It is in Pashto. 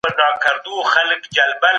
او ستا د ښكلي شاعرۍ په خاطر